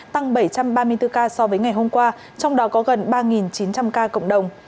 tăng bảy trăm ba mươi bốn ca so với ngày hôm qua trong đó có gần ba chín trăm linh ca cộng đồng